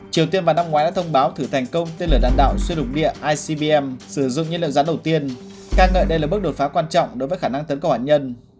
triều tiên vào năm ngoái đã thông báo thử thành công tên lửa đạn đạo xuyên lục địa icbm sử dụng nhiên liệu rán đầu tiên ca ngợi đây là bước đột phá quan trọng đối với khả năng tấn công hạt nhân